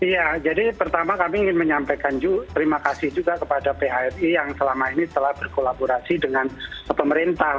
iya jadi pertama kami ingin menyampaikan juga terima kasih juga kepada phri yang selama ini telah berkolaborasi dengan pemerintah